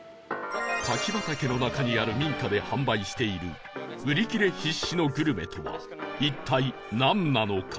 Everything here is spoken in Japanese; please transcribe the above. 柿畑の中にある民家で販売している売り切れ必至のグルメとは一体なんなのか？